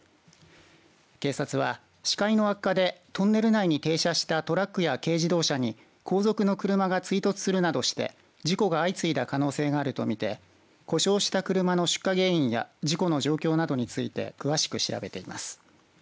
警察は視界の悪化でトンネル内に停車したトラックや軽自動車に後続の車が追突するなどして事故が相次いだ可能性があるとみて故障した車の出火原因や事故の状況などについて詳しく調べています。